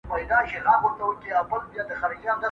¬ اوښ تر پله لاندي نه سي پټېدلاى.